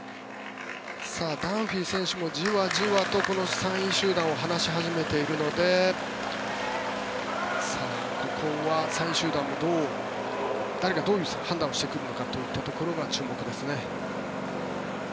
ダンフィー選手もじわじわとこの３位集団を離し始めているのでここは３位集団も誰がどういう判断をしてくるのかといったところが注目ですね。